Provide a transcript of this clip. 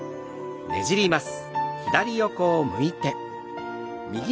ねじります。